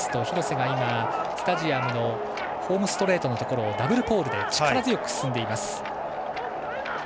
廣瀬がスタジアムのホームストレートのところをダブルポールで力強く進んでいます。